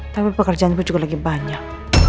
tapi pekerjaan bu juga lagi banyak